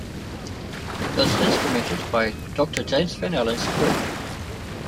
It was instrumented by Doctor James van Allen's group.